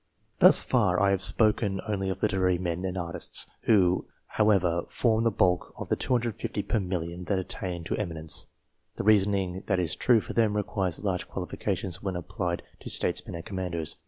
Thus far, I have spoken only of literary men and artists, who, however, form the bulk of the 250 per million, that attain to eminence. The reasoning that is true for them, requires large qualifications when applied to statesmen and commanders.